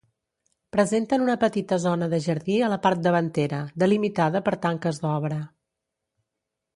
Presenten una petita zona de jardí a la part davantera, delimitada per tanques d'obra.